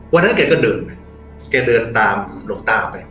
วันนั้นแกก็เดินไปแกเดินตามหลวงตาไป